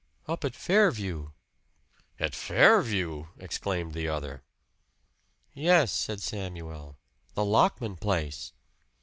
"Up at 'Fairview.'" "At 'Fairview'!" exclaimed the other. "Yes," said Samuel. "The Lockman place."